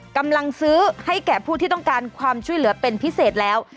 กำลังซื้อให้แก่ผู้ที่ต้องการความช่วยเหลือเป็นพิเศษแล้ว